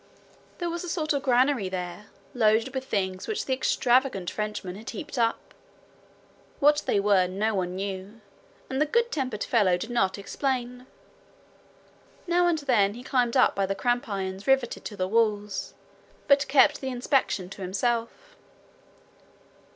There was a sort of granary there, loaded with things which the extravagant Frenchman had heaped up. What they were no one knew, and the good tempered fellow did not explain. Now and then he climbed up by cramp irons riveted to the walls, but kept the inspection to himself.